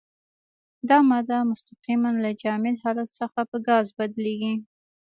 دا ماده مستقیماً له جامد حالت څخه په ګاز بدلیږي.